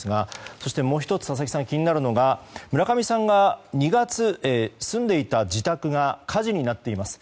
そしてもう１つ気になるのが村上さんが２月住んでいた自宅が火事になっています。